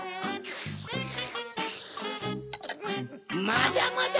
まだまだ。